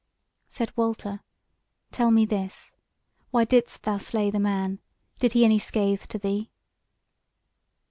Said Walter: "Tell me this; why didst thou slay the man? did he any scathe to thee?"